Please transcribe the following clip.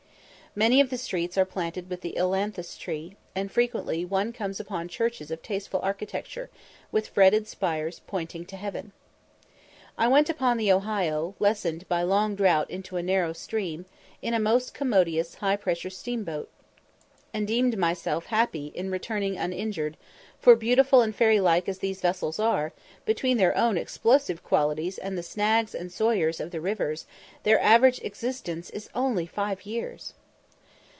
Many of the streets are planted with the ilanthus tree, and frequently one comes upon churches of tasteful architecture, with fretted spires pointing to heaven. I went upon the Ohio, lessened by long drought into a narrow stream, in a most commodious high pressure steamboat, and deemed myself happy in returning uninjured; for beautiful and fairy like as these vessels are, between their own explosive qualities and the "snags and sawyers" of the rivers, their average existence is only five years!